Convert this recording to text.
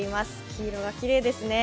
黄色がきれいですね。